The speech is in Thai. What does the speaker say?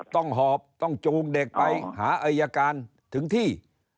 หอบต้องจูงเด็กไปหาอายการถึงที่